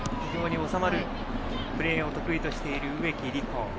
収まるプレーを得意としている植木理子。